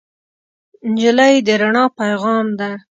نجلۍ د رڼا پېغام ده.